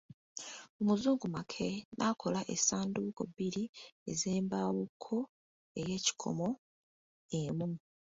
Omuzungu Mackay n'akola essanduuko bbiri ez'embawo ko ey'ekikomo emu.